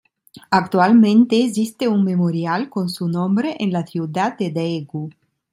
Actualmente, existe un memorial con su nombre en la ciudad de Daegu.